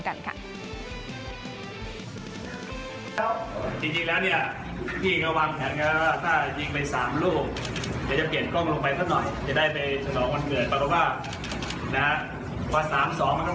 จริงแล้วเนี่ยพี่ก็วางแผนว่าถ้ายิงไป๓รูปจะเปลี่ยนกล้องลงไปเท่าหน่อยจะได้ไปสนองวันเกือบ